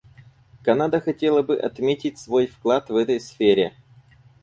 Канада хотела бы отметить свой вклад в этой сфере.